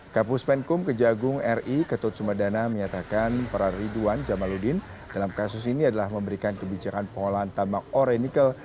kapus penkum kejagung ri ketut sumedana menyatakan para ridwan jamaludin dalam kasus ini adalah memberikan kebijakan pengolahan tambang ore nikel